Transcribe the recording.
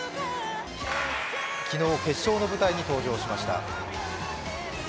昨日、決勝の舞台に登場しました。